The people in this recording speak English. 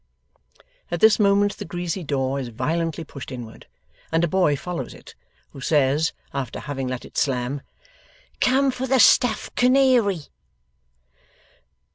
At this moment the greasy door is violently pushed inward, and a boy follows it, who says, after having let it slam: 'Come for the stuffed canary.